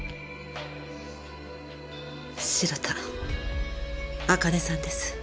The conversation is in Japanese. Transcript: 白田朱音さんです。